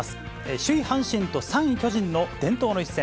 首位阪神と３位巨人の伝統の一戦。